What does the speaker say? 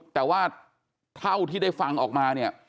แต่ว่าเท่าที่ได้ฟังออกมาเนี่ย